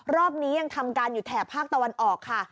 รอบนี้ยังทำการอยู่แถบภาคตะวันออกค่ะ